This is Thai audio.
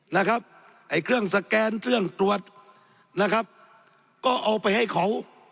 นะครับไอ้เครื่องสแกนเครื่องตรวจนะครับก็เอาไปให้เขา